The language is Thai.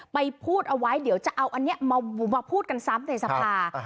พูดเอาไว้เดี๋ยวจะเอาอันนี้มาพูดกันซ้ำในสภา